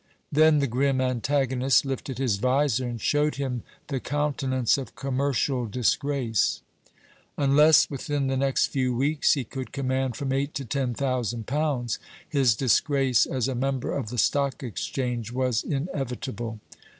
Then the grim antagonist lifted his visor, and showed him the countenance of Commercial Disgrace. Unless within the next few weeks he could command from eight to ten thousand pounds, his disgrace as a member of the Stock Exchange was inevitable.